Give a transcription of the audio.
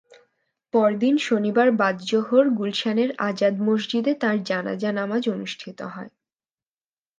পরদিন শনিবার বাদ জোহর গুলশানের আজাদ মসজিদে তাঁর জানাজা নামাজ অনুষ্ঠিত হয়।